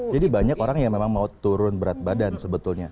jadi banyak orang yang memang mau turun berat badan sebetulnya